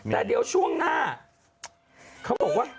แต่เดี๋ยวช่วงหน้าเขาบอกว่า